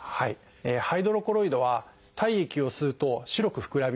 ハイドロコロイドは体液を吸うと白く膨らみます。